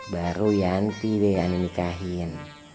baru yanti deh yang nikahin